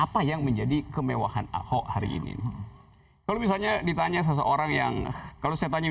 apa yang menjadi kemewahan ahok hari ini kalau misalnya ditanya seseorang yang kalau saya tanya